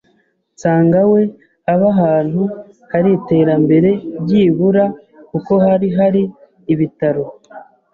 nsanga we aba ahantu hari iterambere byibura kuko hari hari ibitaro